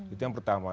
itu yang pertama